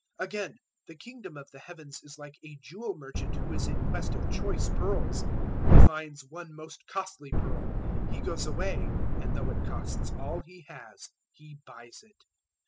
013:045 "Again the Kingdom of the Heavens is like a jewel merchant who is in quest of choice pearls. 013:046 He finds one most costly pearl; he goes away; and though it costs all he has, he buys it.